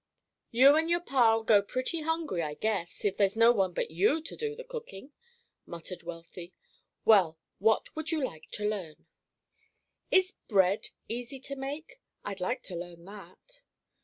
"You and your Pa'll go pretty hungry, I guess, if there's no one but you to do the cooking," muttered Wealthy. "Well, what would you like to learn?" "Is bread easy to make? I'd like to learn that."